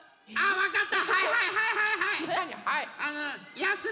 わかった？